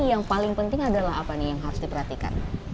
yang paling penting adalah apa nih yang harus diperhatikan